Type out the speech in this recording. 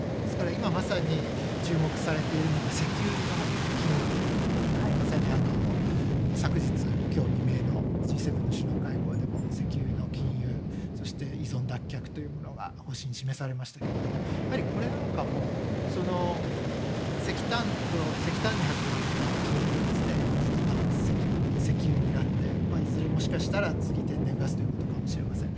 今まさに、注目されているのが石油の禁輸ということで昨日、今日未明のＧ７の首脳会議でも石油の禁輸そして依存脱却という方針が示されましたけどもこれなんかも石炭に始まった禁輸が今、石油になっていずれ、もしかしたら次、天然ガスということかもしれません。